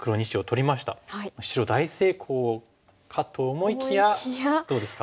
白大成功かと思いきやどうですか？